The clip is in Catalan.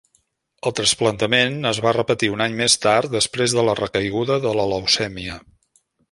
El trasplantament es va repetir un any més tard després de la recaiguda de la leucèmia.